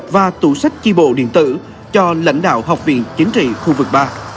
và tủ sách chi bộ điện tử cho lãnh đạo học viện chính trị khu vực ba